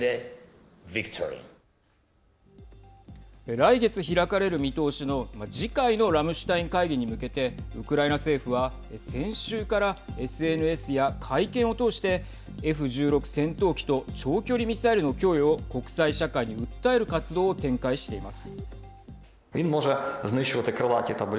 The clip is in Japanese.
来月開かれる見通しの次回のラムシュタイン会議に向けてウクライナ政府は先週からＳＮＳや会見を通してＦ１６戦闘機と長距離ミサイルの供与を国際社会に訴える活動を展開しています。